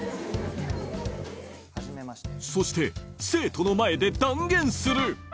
そして生徒の前で断言する！